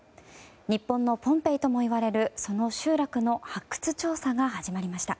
日本のポンペイとも呼ばれるその集落の発掘調査が始まりました。